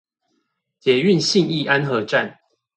捷運信義安和站